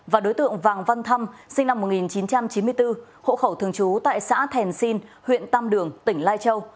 và đối tượng vàng văn thăm sinh năm một nghìn chín trăm chín mươi bốn hộ khẩu thường trú tại xã thèn sinh huyện tam đường tỉnh lai châu